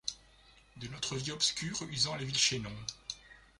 De notre vie obscure usant les vils chaînons